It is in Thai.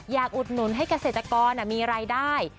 อุดหนุนให้เกษตรกรมีรายได้